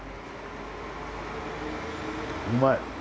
うまい！